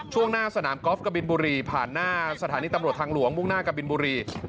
ช่วงหน้าสนามกอล์ฟกะบินบุรีผ่านหน้าสถานีตำรวจทางหลวงมุ่งหน้ากะบินบุรี